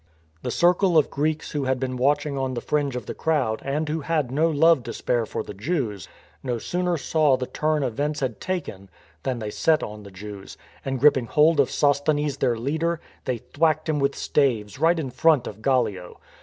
(The circle of Greeks who had been watching on the fringe of the crowd and who had no love to spare for 234 STORM AND STRESS the Jews, no sooner saw the turn events had taken than they set on the Jews, and gripping hold of Sos thenes, their leader, they thwacked him with staves, right in front of Gallio.